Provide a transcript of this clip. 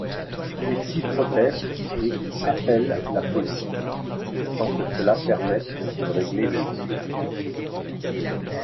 Christie proteste et appelle la police, sans que cela permette de régler le litige.